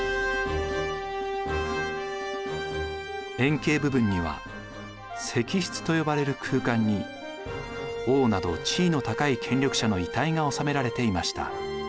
円形部分には石室と呼ばれる空間に王など地位の高い権力者の遺体が収められていました。